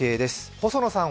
細野さん